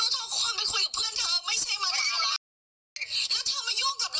ก็จะมีเรื่องของเพื่อนเรื่องบิดหวด